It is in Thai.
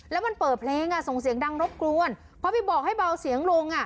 แล้วมันเปิดเพลงอ่ะส่งเสียงดังรบกวนเพราะไปบอกให้เบาเสียงลงอ่ะ